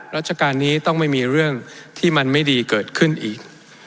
ราชการนี้ต้องไม่มีเรื่องที่มันไม่ดีเกิดขึ้นอีก